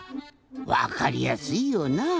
わかりやすいよなぁ。